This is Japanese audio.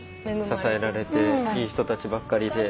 支えられていい人たちばっかりで。